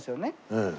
ええ。